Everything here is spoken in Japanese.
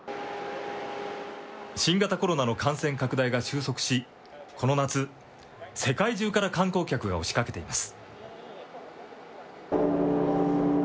新型コロナの感染拡大が収束し、この夏、世界中から観光客が押しかけています。